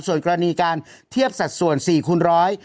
ส่วนกรณีการเทียบสัดส่วน๔คูณร้อย